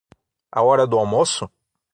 A hora do almoço?